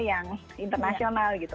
yang internasional gitu